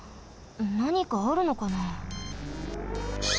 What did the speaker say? なにかあるのかな？